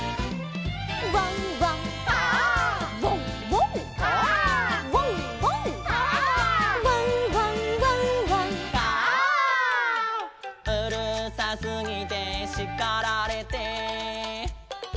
「ワンワン」「カァ」「ワンワン」「カァ」「ワンワン」「カァ」「ワンワンワンワン」「カァ」「うるさすぎてしかられて」